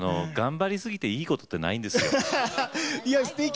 頑張りすぎていいことってないんですよ。